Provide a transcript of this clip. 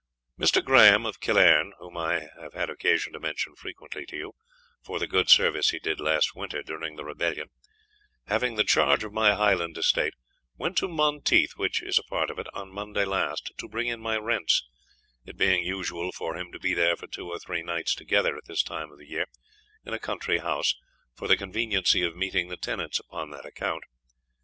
"Mr. Grahame of Killearn (whom I have had occasion to mention frequently to you, for the good service he did last winter during the rebellion) having the charge of my Highland estate, went to Monteath, which is a part of it, on Monday last, to bring in my rents, it being usual for him to be there for two or three nights together at this time of the year, in a country house, for the conveniency of meeting the tenants, upon that account.